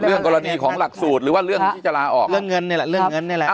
กรณีของหลักสูตรหรือว่าเรื่องที่จะลาออกเรื่องเงินนี่แหละเรื่องเงินนี่แหละ